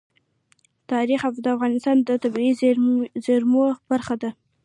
تاریخ د افغانستان د طبیعي زیرمو برخه ده.